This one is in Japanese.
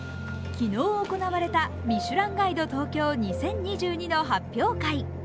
昨日行われた「ミシュランガイド東京２０２２」の発表会。